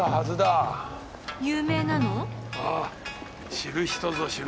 知る人ぞ知る